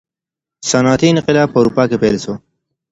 صنعتي انقلاب په اروپا کي پیل سو.